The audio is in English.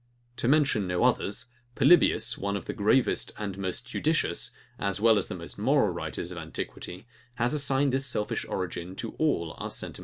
To mention no others, Polybius, one of the gravest and most judicious, as well as most moral writers of antiquity, has assigned this selfish origin to all our sentiments of virtue.